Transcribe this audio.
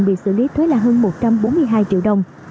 bị xử lý thuế là hơn một trăm bốn mươi hai triệu đồng